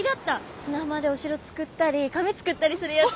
砂浜でお城作ったり亀作ったりするやつ。